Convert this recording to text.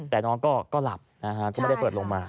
แต่น้องก็หลับนะฮะก็ไม่ได้เปิดลงมา